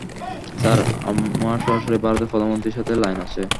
Sir, আমার সরাসরি ভারতের প্রধানমন্ত্রীর সাথে লাইন আছে।